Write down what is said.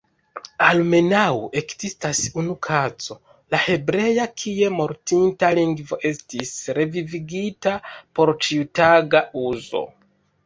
Almenaŭ ekzistas unu kazo, la hebrea, kie mortinta lingvo estis "revivigita" por ĉiutaga uzo.